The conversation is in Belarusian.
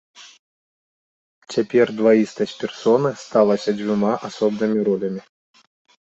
Цяпер дваістасць персоны сталася дзвюма асобнымі ролямі.